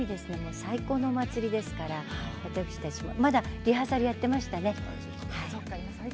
最高のお祭りですから私たちまだリハーサルやっていましたね。